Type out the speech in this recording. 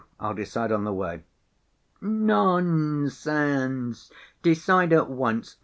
I'll decide on the way." "Nonsense! Decide at once.